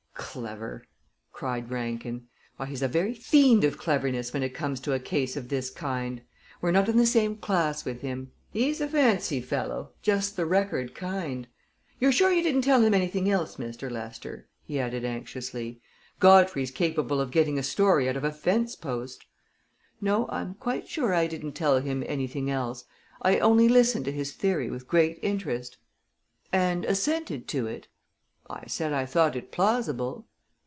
"Clever!" cried Rankin. "Why, he's a very fiend of cleverness when it comes to a case of this kind. We're not in the same class with him. He's a fancy fellow just the Record kind. You're sure you didn't tell him anything else, Mr. Lester?" he added anxiously. "Godfrey's capable of getting a story out of a fence post." "No, I'm quite sure I didn't tell him anything else. I only listened to his theory with great interest." "And assented to it?" "I said I thought it plausible."